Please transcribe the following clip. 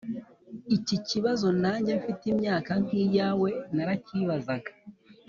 Iki kibazo nange mfite imyaka nk’iyawe narakibazaga,